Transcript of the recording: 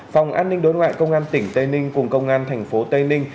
phòng an ninh đối ngoại công an tỉnh tây ninh cùng công an thành phố tây ninh